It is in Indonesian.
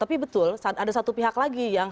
tapi betul ada satu pihak lagi yang